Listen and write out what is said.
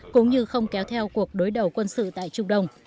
cũng như không kéo theo cuộc đối đầu quân sự tại trung đông